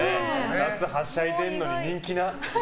夏はしゃいんでんのに人気なっ。